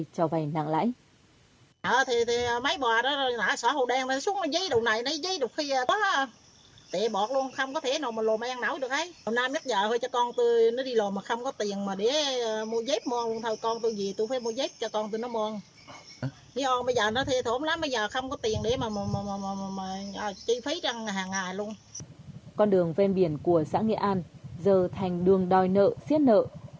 con đường ven biển của xã nghệ an giờ thành đường đòi nợ xiết nợ